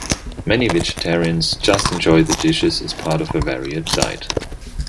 Many vegetarians just enjoy these dishes as part of a varied diet.